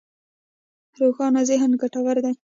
روښانه ذهن ګټور دی.